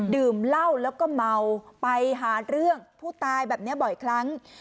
ดื่มเหล้าแล้วก็เมาไปหาเรื่องผู้ตายแบบนี้บ่อยครั้ง